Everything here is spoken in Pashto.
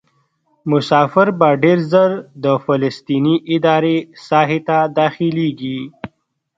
مسافر به ډېر ژر د فلسطیني ادارې ساحې ته داخلیږي.